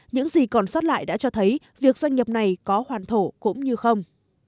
những gì còn sót lại đã cho thấy việc doanh nghiệp này có hoàn thổ cũng như không